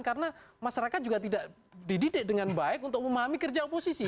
karena masyarakat juga tidak dididik dengan baik untuk memahami kerja oposisi